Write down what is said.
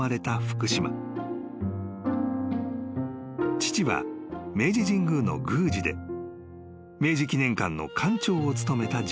［父は明治神宮の宮司で明治記念館の館長を務めた人物］